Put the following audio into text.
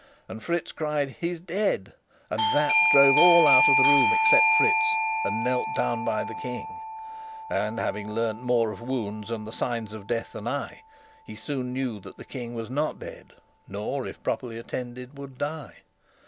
And Fritz cried: "He's dead!" and Sapt drove all out of the room except Fritz, and knelt down by the King; and, having learnt more of wounds and the sign of death than I, he soon knew that the King was not dead, nor, if properly attended, would die.